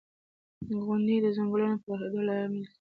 • غونډۍ د ځنګلونو د پراخېدو لامل کېږي.